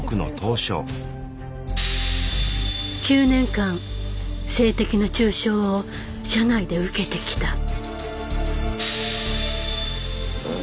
「９年間性的な中傷を社内で受けてきた」。